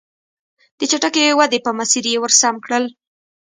د چټکې ودې په مسیر یې ور سم کړل.